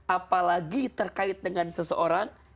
apalagi terkait dengan seseorang